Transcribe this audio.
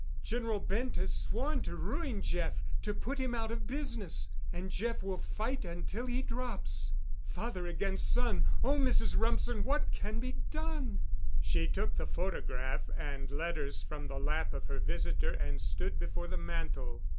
General Bent has sworn to ruin Jeff—to put him out of business; and Jeff will fight until he drops. Father against son—oh, Mrs. Rumsen, what can be done?" She took the photograph and letters from the lap of her visitor and stood before the mantel.